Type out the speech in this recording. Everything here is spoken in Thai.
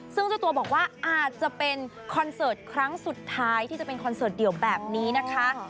ซึ่งเจ้าตัวบอกว่าอาจจะเป็นคอนเสิร์ตครั้งสุดท้ายที่จะเป็นคอนเสิร์ตเดี่ยวแบบนี้นะคะ